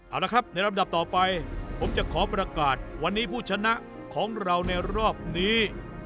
เอาละครับในลำดับต่อไปผมจะขอประกาศวันนี้ผู้ชนะของเราในรอบนี้